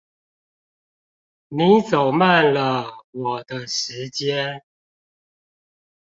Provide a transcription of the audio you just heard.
你走慢了我的時間